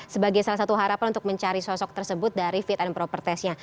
sebagai salah satu harapan untuk mencari sosok tersebut dari fit and proper testnya